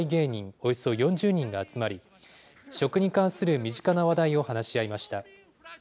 およそ４０人が集まり、食に関する身近な話題を話し合いました。